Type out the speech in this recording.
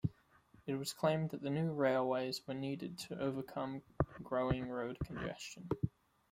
It was claimed that the new railways were needed to overcome growing road congestion.